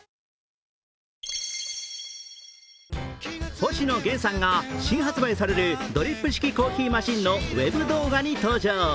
星野源さんが新発売されるドリップ式コーヒーマシンのウェブ動画に登場。